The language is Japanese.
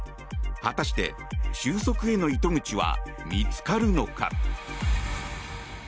果たして、終息への糸口は見つかるのか。